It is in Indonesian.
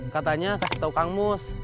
katanya kasih tahu kang mus